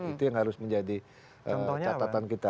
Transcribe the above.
itu yang harus menjadi catatan kita